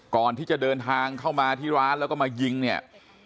ก่อนที่จะเดินทางเข้ามาที่ร้านแล้วก็มายิงเนี่ย